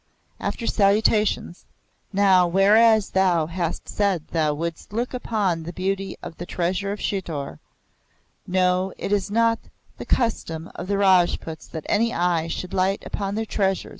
After salutations "Now whereas thou hast said thou wouldest look upon the beauty of the Treasure of Chitor, know it is not the custom of the Rajputs that any eye should light upon their treasure.